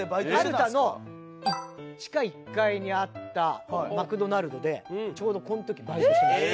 アルタの地下１階にあったマクドナルドでちょうどこの時バイトしてました。